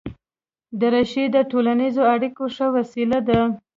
دریشي د ټولنیزو اړیکو ښه وسیله ده.